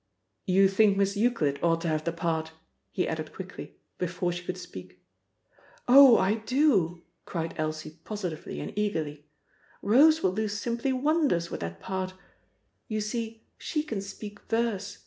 "You think Miss Euclid ought to have the part," he added quickly, before she could speak. "Oh, I do!" cried Elsie positively and eagerly. "Rose will do simply wonders with that part. You see she can speak verse.